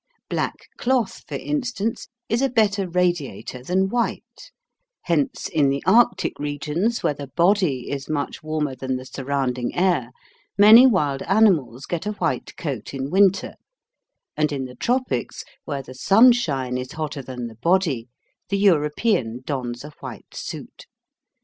Black cloth, for instance, is a better radiator than white, hence in the Arctic regions, where the body is much warmer than the surrounding air, many wild animals get a white coat in winter, and in the tropics, where the sunshine is hotter than the body, the European dons a white suit.